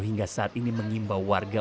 hingga saat ini mengimbau warga